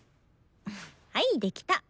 はいできた！